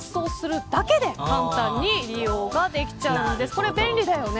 これ、便利だよね。